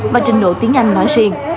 và trình độ tiếng anh nói riêng